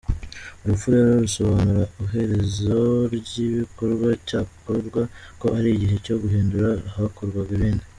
Urupfu rero rusobanura iherezo ry’igikorwa cyakorwa ko ari igihe cyo guhindura hagakorwa ibindi.